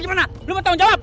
gimana lu mau tau jawab